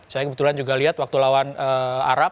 saya kebetulan juga lihat waktu lawan arab